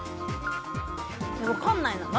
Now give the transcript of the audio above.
分からないな。